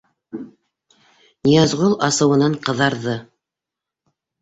— Ныязғол асыуынан ҡыҙарҙы.